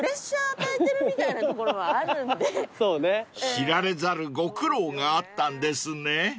［知られざるご苦労があったんですね］